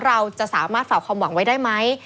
เราจะสามารถฝากความหวังไว้ได้ไหม